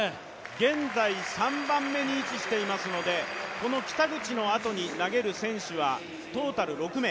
現在３番目に位置していますので北口のあとに投げる選手はトータル６名。